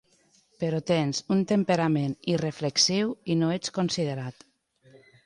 Però tens un temperament irreflexiu i no ets considerat.